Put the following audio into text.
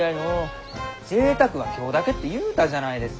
「ぜいたくは今日だけ」って言うたじゃないですか！